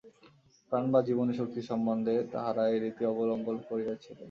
প্রাণ বা জীবনী-শক্তি সম্বন্ধেও তাঁহারা এই রীতি অবলম্বন করিয়াছিলেন।